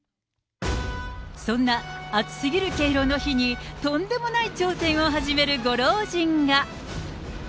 そんな暑すぎる敬老の日にとんでもない挑戦を始めるご老人が。